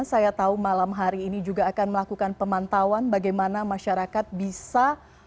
saya tahu malam hari ini juga akan melakukan pemantauan bagaimana masyarakat bisa